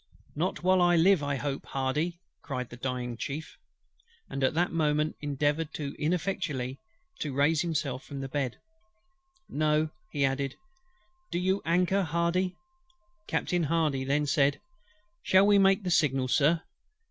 "Not while I live, I hope, HARDY!" cried the dying Chief; and at that moment endeavoured ineffectually to raise himself from the bed. "No," added he; "do you anchor, HARDY." Captain HARDY then said: "Shall we make the signal, Sir?"